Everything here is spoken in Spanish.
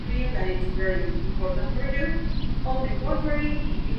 Su verdadero nombre era Lilian Patricia Lita Roza, y nació en Liverpool, Inglaterra.